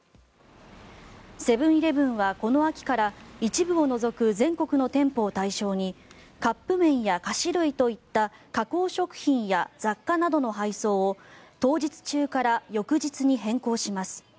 セブン−イレブンはこの秋から一部を除く全国の店舗を対象にカップ麺や菓子類といった加工食品や雑貨などの配送を当日中から翌日に変更します。